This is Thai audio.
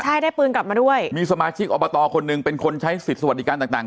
ใช่ได้ปืนกลับมาด้วยมีสมาชิกอบตคนหนึ่งเป็นคนใช้สิทธิ์สวัสดิการต่างต่าง